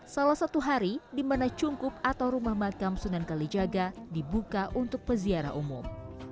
salah satu hari di mana cungkup atau rumah makam sunan kalijaga dibuka untuk peziarah umum